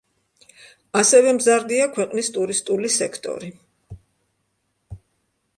ასევე მზარდია ქვეყნის ტურისტული სექტორი.